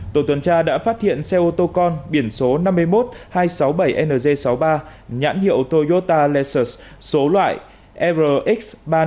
tổ tuần tra đã phát hiện xe ô tô con biển số năm mươi một hai trăm sáu mươi bảy ng sáu mươi ba nhãn hiệu toyota lexus số loại rx ba trăm năm mươi